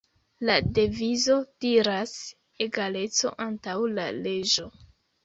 La devizo diras, "Egaleco Antaŭ La Leĝo.